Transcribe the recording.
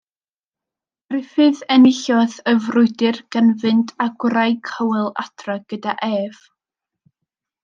Gruffudd enillodd y frwydr gan fynd â gwraig Hywel adre gydag ef.